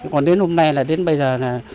còn đến hôm nay là đến bây giờ là